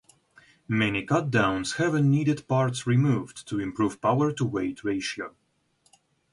Many cutdowns have unneeded parts removed to improve power-to-weight ratio.